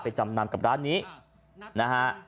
จำนำกับร้านนี้นะฮะ